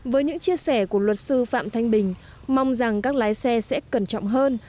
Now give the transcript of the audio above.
với những chia sẻ của luật sư phạm thanh bình mong rằng các lái xe sẽ cẩn trọng hơn